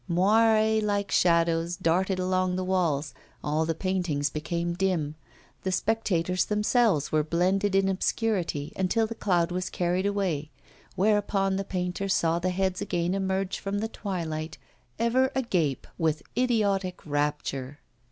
Moire like shadows darted along the walls, all the paintings became dim, the spectators themselves were blended in obscurity until the cloud was carried away, whereupon the painter saw the heads again emerge from the twilight, ever agape with idiotic rapture.